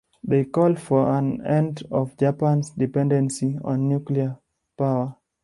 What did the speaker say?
They called for an end of Japan's dependency on nuclear power.